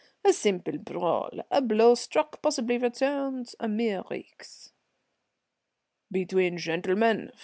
"A simple brawl a blow struck, possibly returned a mere rixe." "Between gentlemen?